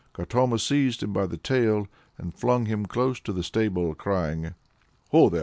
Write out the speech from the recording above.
Katoma seized him by the tail, and flung him close to the stable, crying "Ho there!